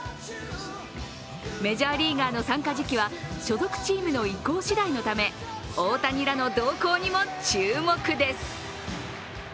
メジャーリーガーの参加時期は所属チームの意向次第のため大谷らの動向にも注目です。